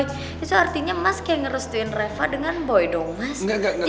itu artinya mas kayak ngerestuin reva dengan boy dong mas